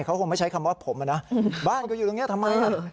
เขาคงไม่ใช้คำว่าผมอะนะบ้านกูอยู่ตรงนี้ทำไม